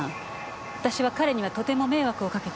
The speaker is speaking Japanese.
私は彼にはとても迷惑をかけたって。